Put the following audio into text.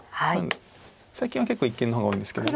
最近は結構一間の方が多いんですけど。